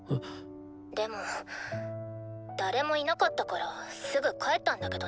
でも誰もいなかったからすぐ帰ったんだけどね。